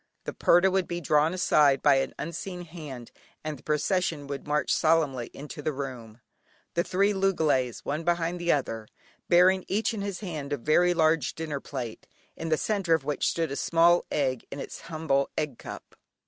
The purdah would be drawn aside by an unseen hand, and the procession would march solemnly into the room, the three loogalays, one behind the other, bearing each in his hand a very large dinner plate, in the centre of which stood a small egg in its humble egg cup.